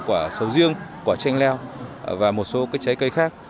quả sầu riêng quả chanh leo và một số trái cây khác